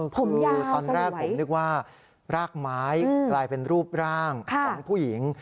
คือตอนแรกผมนึกว่ารากไม้กลายเป็นรูปร่างของผู้หญิง